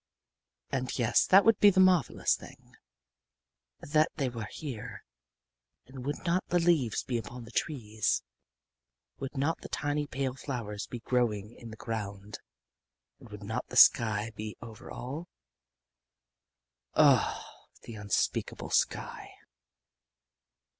_ And yes. That would be the marvelous thing that they were here. And would not the leaves be upon the trees? and would not tiny pale flowers be growing in the ground? and would not the sky be over all? Oh, the unspeakable sky!